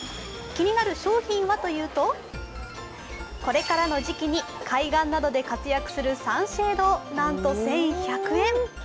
気になる商品はというと、これからの時期に海岸などで活躍するサンシェード、なんと１１００円。